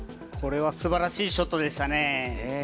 これはすばらしいショットでしたね。